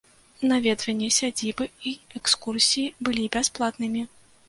Наведванне сядзібы і экскурсіі былі бясплатнымі.